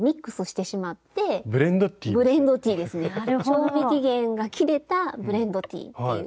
賞味期限が切れたブレンドティーっていう。